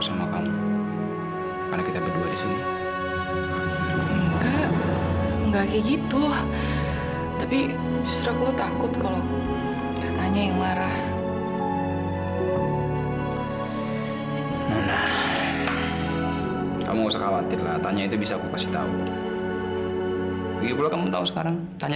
sampai jumpa di video selanjutnya